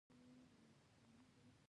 ویل یې تر ماسپښین وروسته ګڼه ګوڼه کمه شي.